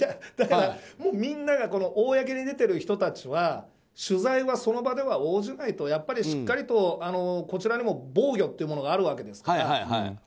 だから、みんなが公に出ている人たちは取材はその場では応じないとやっぱりしっかりとこちらにも防御というものがあるわけですから。